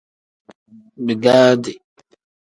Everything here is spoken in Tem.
Bigaadi.